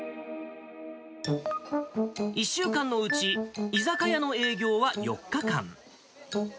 １週間のうち、居酒屋の営業は４日間。